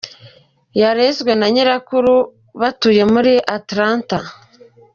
I yarezwe na nyirakuru, batuye muri Atlanta.